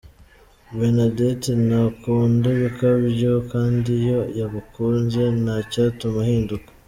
Bernadette ntakunda ibikabyo kandi iyo yagukunze ntacyatuma ahinduka.